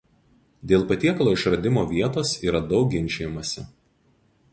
Dėl patiekalo išradimo vietos yra daug ginčijamasi.